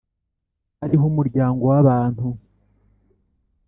hariho umuryango w’abantu,